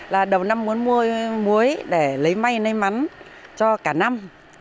là đầu năm muốn mua muối để lấy may may mắn cho cả năm